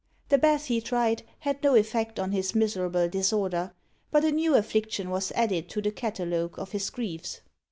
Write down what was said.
The baths he tried had no effect on his miserable disorder. But a new affliction was added to the catalogue of his griefs.